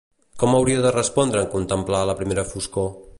Com hauria de respondre en contemplar la primera foscor?